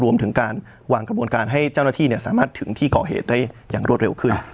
รวมถึงการวางกระบวนการให้เจ้าหน้าที่สามารถถึงที่ก่อเหตุได้อย่างรวดเร็วขึ้น